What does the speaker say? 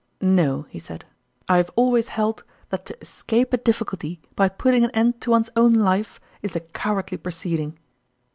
" No," he said ;" I have always held that to escape a difficulty by putting an end to one's own life, is a cowardly proceeding."